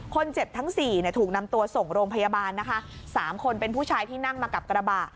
ทั้งสี่เนี่ยถูกนำตัวส่งโรงพยาบาลนะคะสามคนเป็นผู้ชายที่นั่งมากับกระบะ